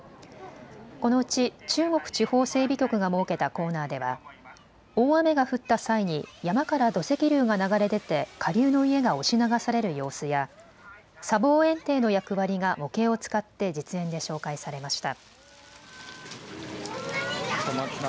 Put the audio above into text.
このうち中国地方整備局が設けたコーナーでは大雨が降った際に山から土石流が流れ出て下流の家が押し流される様子や砂防えん堤の役割が模型を使って実演で紹介されました。